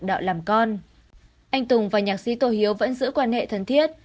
anh tùng và nhạc sĩ tô hiếu vẫn giữ quan hệ thân thiết